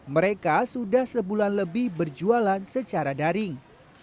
mereka sudah sebulan lebih berjualan secara daring